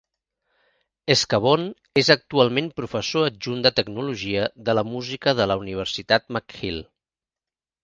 Scavone és actualment professor adjunt de tecnologia de la música a la universitat McGill.